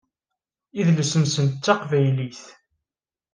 Idles-nsent d taqbaylit.